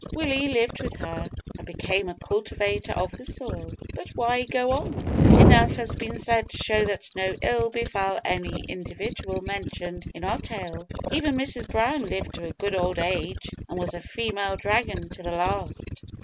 Willie lived with her, and became a cultivator of the soil. But why go on? Enough has been said to show that no ill befell any individual mentioned in our tale. Even Mrs Brown lived to a good old age, and was a female dragon to the last.